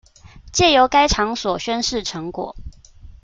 藉由該場所宣示成果